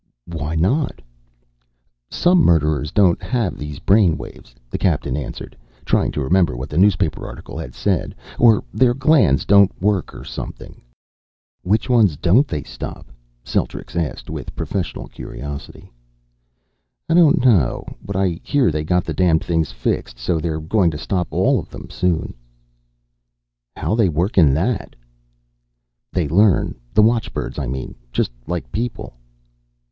"Why not?" "Some murderers don't have these brain waves," the captain answered, trying to remember what the newspaper article had said. "Or their glands don't work or something." "Which ones don't they stop?" Celtrics asked, with professional curiosity. "I don't know. But I hear they got the damned things fixed so they're going to stop all of them soon." "How they working that?" "They learn. The watchbirds, I mean. Just like people."